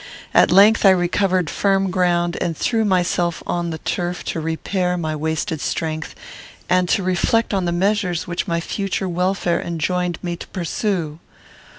At length I recovered firm ground, and threw myself on the turf to repair my wasted strength, and to reflect on the measures which my future welfare enjoined me to pursue.